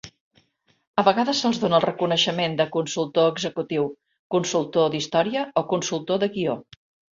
A vegades se'ls dona el reconeixement de "consultor executiu", "consultor d'història" o "consultor de guió".